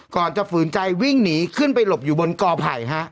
ก่อนจะฝืนใจวิ่งหนีขึ้นไปหลบอยู่บนกอไผ่ฮะ